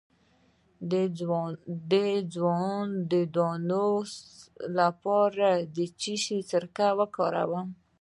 د ځوانۍ د دانو لپاره د څه شي سرکه وکاروم؟